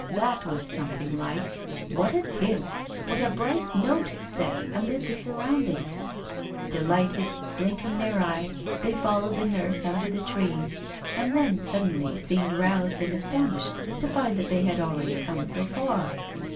That was something like what a tint, what a bright note it set amid the surroundings! Delighted, blinking their eyes, they followed the nurse under the trees, and then suddenly seemed roused and astonished to find they had already come so far.